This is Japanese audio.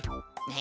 え！